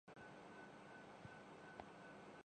ماضی کی چیزوں کے بارے میں فکر مند نہیں ہوتا